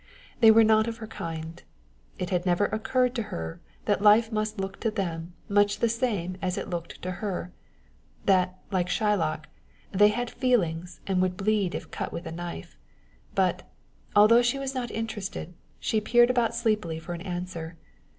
They were not of her kind. It had never occurred to her that life must look to them much as it looked to her; that, like Shylock, they had feelings, and would bleed if cut with a knife. But, although she was not interested, she peered about sleepily for an answer.